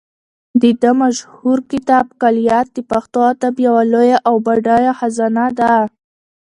د ده مشهور کتاب کلیات د پښتو ادب یوه لویه او بډایه خزانه ده.